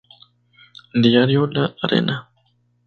Diario la Arena.